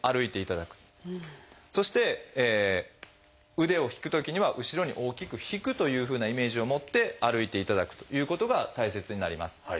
そして腕を引くときには後ろに大きく引くというふうなイメージを持って歩いていただくということが大切になります。